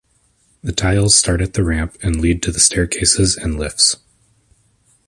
The tiles start at the ramp and lead to the staircases and lifts.